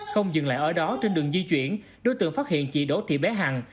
không dừng lại ở đó trên đường di chuyển đối tượng phát hiện chị đỗ thị bé hằng